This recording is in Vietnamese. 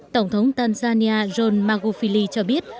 tổng thống tanzania john magufuli cho biết